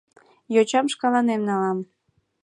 Йочам шкаланем налам...